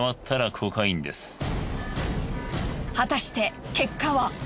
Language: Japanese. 果たして結果は。